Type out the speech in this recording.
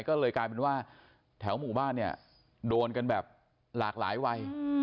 ก็เลยกลายเป็นว่าแถวหมู่บ้านเนี่ยโดนกันแบบหลากหลายวัย